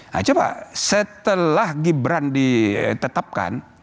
nah coba setelah gibran ditetapkan